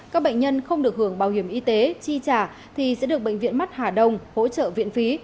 các bệnh nhân không được hưởng bảo hiểm y tế chi trả thì sẽ được bệnh viện mắt hà đông hỗ trợ viện phí